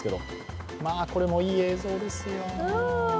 まあ、これもいい映像ですよ。